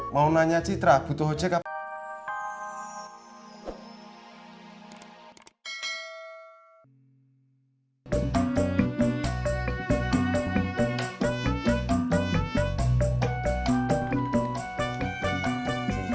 mau nanya citra butuh ojek apa